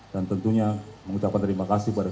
dan tentunya mengucapkan terima kasih kepada